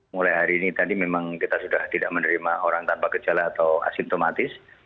mulai hari ini tadi memang kita sudah tidak menerima orang tanpa gejala atau asimptomatis